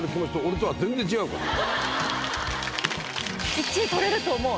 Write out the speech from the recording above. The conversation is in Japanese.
１位取れると思う。